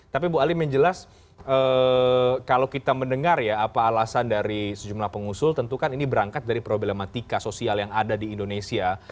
tapi bu alim yang jelas kalau kita mendengar ya apa alasan dari sejumlah pengusul tentu kan ini berangkat dari problematika sosial yang ada di indonesia